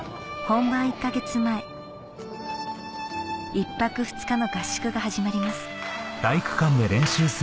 １泊２日の合宿が始まります